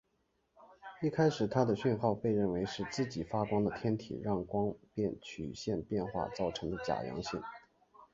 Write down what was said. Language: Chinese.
一开始它的讯号被认为是自己发光的天体让光变曲线变化造成的假阳性。